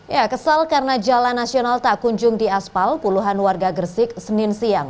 ya kesal karena jalan nasional tak kunjung diaspal puluhan warga gresik senin siang